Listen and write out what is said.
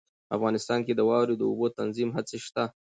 افغانستان کې د واورو د اوبو د تنظیم هڅې شته.